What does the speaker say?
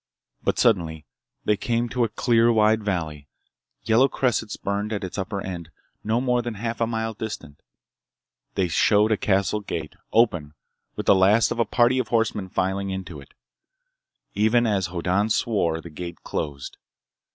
But suddenly they came to a clear wide valley, yellow cressets burned at its upper end, no more than half a mile distant. They showed a castle gate, open, with the last of a party of horsemen filing into it. Even as Hoddan swore, the gate closed.